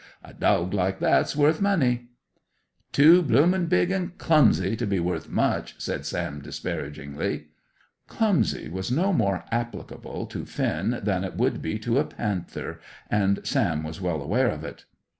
A dawg like that's worth money." "Too bloomin' big an' clumsy to be worth much," said Sam disparagingly. "Clumsy" was no more applicable to Finn than it would be to a panther, and Sam was well aware of it.